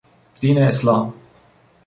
دین اسلام